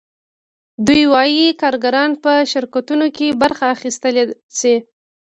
دوی وايي کارګران په شرکتونو کې برخه اخیستلی شي